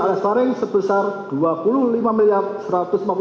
alias faring sebesar dua puluh lima miliar